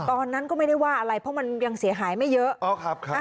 ตอนนั้นก็ไม่ได้ว่าอะไรเพราะมันยังเสียหายไม่เยอะ